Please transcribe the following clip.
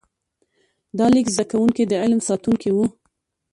د لیک زده کوونکي د علم ساتونکي وو.